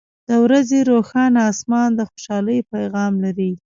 • د ورځې روښانه آسمان د خوشحالۍ پیغام لري.